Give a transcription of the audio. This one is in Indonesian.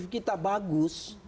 perspektif kita bagus